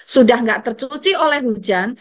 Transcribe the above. sudah tidak tercuci oleh hujan